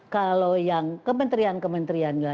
kalau yang kementerian kementerian